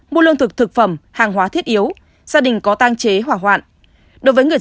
mua lương thực thực phẩm hàng hóa thiết yếu gia đình có tang chế hỏa hoạn